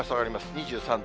２３度。